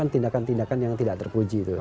tindakan tindakan yang tidak terpuji